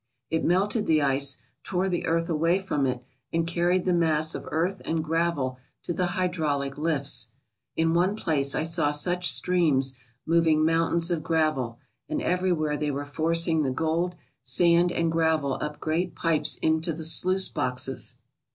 It melted the ice, tore the earth away from it, and carried the mass of earth and gravel to the hydraulic lifts. In one place I saw such streams moving mountains of gravel, and everywhere they were forcing the gold, sand, and gravel up great pipes into the sluice boxes.